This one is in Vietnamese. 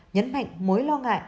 nhấn mạnh mối lo ngại